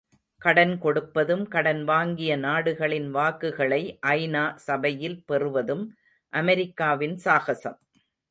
கடன் கொடுப்பதும் கடன் வாங்கிய நாடுகளின் வாக்குகளை ஐ.நா. சபையில் பெறுவதும் அமெரிக்காவின் சாகசம்.